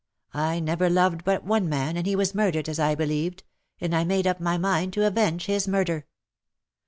I never loved but one man, and he was murdered, as I believed — and I made up my mind to avenge his murder.